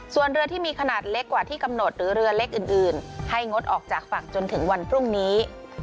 ส่วนเรือที่มีขนาดเล็กกว่าที่กำหนดหรือเรือเล็กอื่นให้งดออกจากฝั่งจนถึงวันพรุ่งนี้